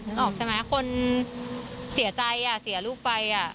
นึกออกใช่ไหมคนเสียใจเสียลูกไป